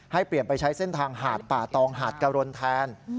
ให้เปลี่ยนไปใช้เส้นทางหาดป่าตองหาดกะรนแทน